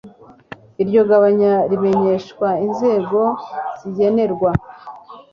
iryo gabanya rimenyeshwa inzego zigenerwa